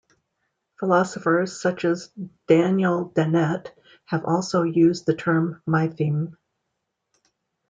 Philosophers such as Daniel Dennett have also used the term "mytheme".